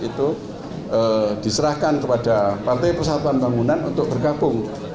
itu diserahkan kepada partai persatuan bangunan untuk bergabung